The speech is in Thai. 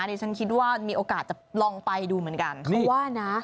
เดี๋ยวฉันคิดว่ามีโอกาสจะลองไปดูเหมือนกัน